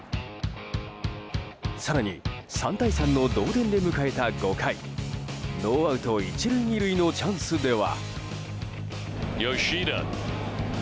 更に、３対３の同点で迎えた５回ノーアウト１塁２塁のチャンスでは。